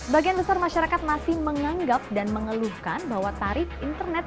bagian besar masyarakat masih menganggap dan mengeluhkan bahwa tarif internet